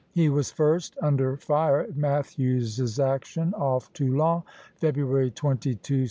He was first under fire at Matthews's action off Toulon, February 22, 1744.